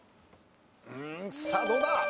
うーんさあどうだ？